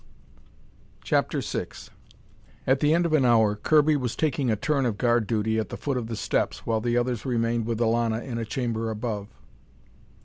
CHAPTER VI At the end of an hour, Kirby was taking a turn of guard duty at the foot of the steps, while the others remained with Elana in a chamber above.